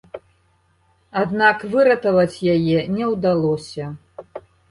Аднак выратаваць яе не ўдалося.